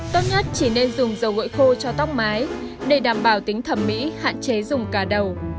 tốt nhất chỉ nên dùng dầu gội khô cho tóc mái để đảm bảo tính thẩm mỹ hạn chế dùng cả đầu